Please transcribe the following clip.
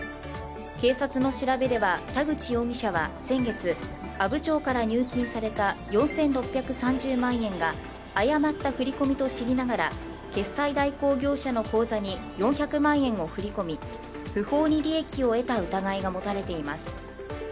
警察の調べでは田口容疑者は先月、阿武町から入金された４６３０万円が誤った振り込みと知りながら決済代行業者の口座に４００万円を振り込み、不法に利益を得た疑いが持たれています。